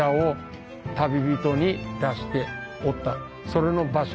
それの場所